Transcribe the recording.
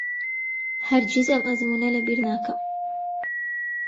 هەرگیز ئەم ئەزموونە لەبیر ناکەم.